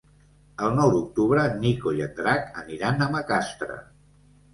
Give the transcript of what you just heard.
El nou d'octubre en Nico i en Drac aniran a Macastre.